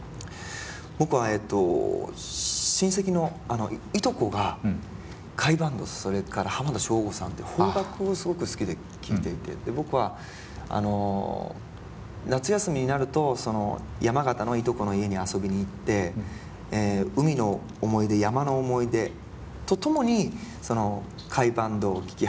僕はえっと親戚のいとこが甲斐バンドそれから浜田省吾さんっていう邦楽をすごく好きで聴いていて僕は夏休みになると山形のいとこの家に遊びに行って海の思い出山の思い出と共にその甲斐バンドを聴き